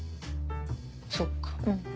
そっか。